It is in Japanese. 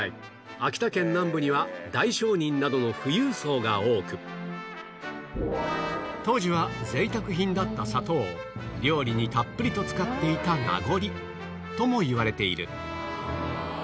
秋田県南部には大商人などの富裕層が多く当時は贅沢品だった砂糖を料理にたっぷりと使っていた名残ともいわれている